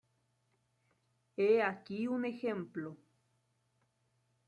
He aquí un ejemplo.